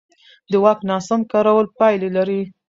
د واک ناسم کارول پایلې لري